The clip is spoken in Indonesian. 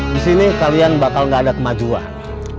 di sini kalian bakal gak ada kemajuan